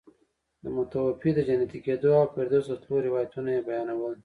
د متوفي د جنتي کېدو او فردوس ته د تلو روایتونه یې بیانول.